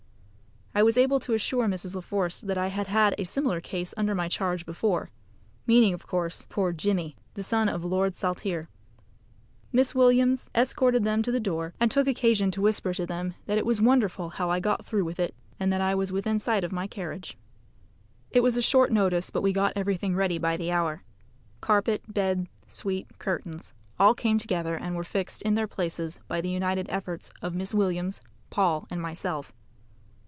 I was able to assure Mrs. La Force that I had had a similar case under my charge before meaning, of course, poor "Jimmy," the son of Lord Saltire. Miss Williams escorted them to the door, and took occasion to whisper to them that it was wonderful how I got through with it, and that I was within sight of my carriage. It was a short notice, but we got everything ready by the hour. Carpet, bed, suite, curtains all came together, and were fixed in their places by the united efforts of Miss Williams, Paul, and myself.